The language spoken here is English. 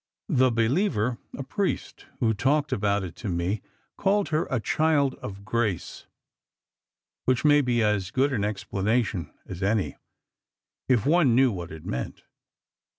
The believer, a priest, who talked about it to me, called her a 'child of grace,' which may be as good an explanation as any, if one knew what it meant.